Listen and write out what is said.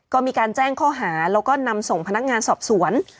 ก็มีการแจ้งข้อหาแล้วก็นำส่งพนักงานสอบสวน